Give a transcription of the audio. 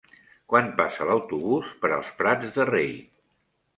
Quan passa l'autobús per els Prats de Rei?